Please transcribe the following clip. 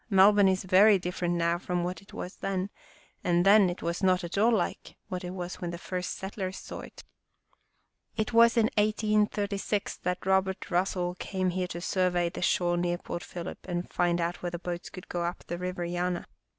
" Melbourne is very different now from what it was then, and then it was not at all like it was when its first settlers saw it. " It was in 1836 that Robert Russell came here to survey the shore near Port Phillip and find out whether boats could go up the River Yana.